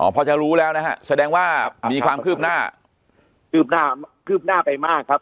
พอจะรู้แล้วนะฮะแสดงว่ามีความคืบหน้าคืบหน้าคืบหน้าไปมากครับ